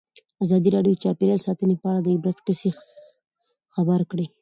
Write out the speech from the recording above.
ازادي راډیو د چاپیریال ساتنه په اړه د عبرت کیسې خبر کړي.